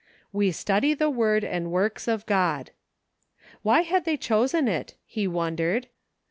" We study the word and works of God." Why had they chosen it ? he wondered.